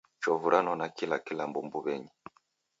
Chovu ranona kila kilambo mbuw'enyi.